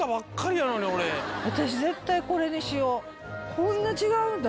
こんな違うんだ。